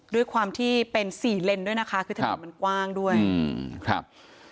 ด้วยความที่เป็นสี่เลนด้วยนะคะคือถนนมันกว้างด้วยอืมครับ